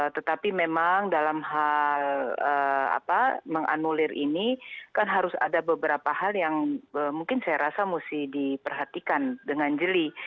tetapi memang dalam hal menganulir ini kan harus ada beberapa hal yang mungkin saya rasa mesti diperhatikan dengan jeli